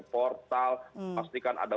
portal memastikan ada